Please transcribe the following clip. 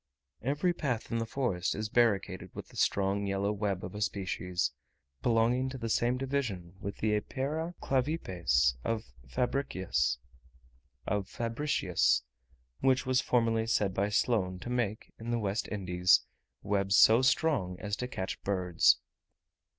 Every path in the forest is barricaded with the strong yellow web of a species, belonging to the same division with the Epeira clavipes of Fabricius, which was formerly said by Sloane to make, in the West Indies, webs so strong as to catch birds.